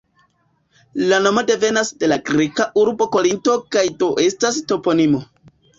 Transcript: La nomo devenas de la greka urbo Korinto kaj do estas toponimo.